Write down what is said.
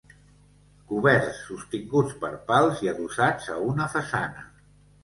Coberts sostinguts per pals i adossats a una façana.